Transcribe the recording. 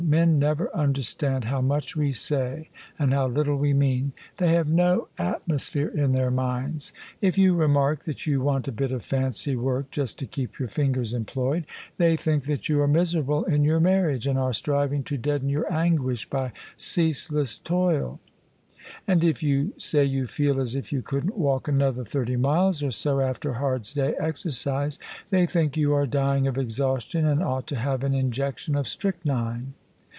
Men never understand how much we say and how little we mean : they have no atmos phere in their minds. If you remark that you want a bit of fancy work just to keep your fingers employed, they think that you are miserable in your marriage and are striving to deaden your anguish by ceaseless toil: and if you say you feel as if you couldn't walk another thirty miles or so after a hard day's exercise, they think you are dying of exhaustion and ought to have an injection of strychnine."